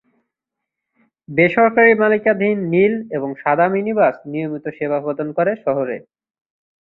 বেসরকারি মালিকানাধীন নীল এবং সাদা মিনি বাস নিয়মিত সেবা প্রদান করে শহরে।